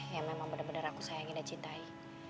ya memang bener bener aku sayangin dan cintai